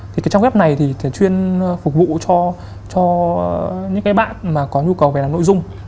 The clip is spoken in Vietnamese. thì cái trang web này thì thường chuyên phục vụ cho những cái bạn mà có nhu cầu về làm nội dung